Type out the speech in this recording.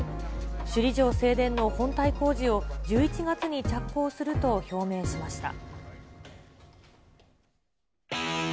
首里城正殿の本体工事を１１月に着工すると表明しました。